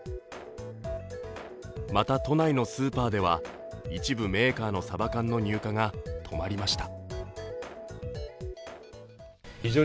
また、都内のスーパーでは一部メーカーのサバ缶の入荷が止まりました。